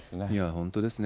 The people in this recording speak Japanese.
本当ですね。